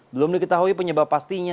belum diketahui penyebab pastinya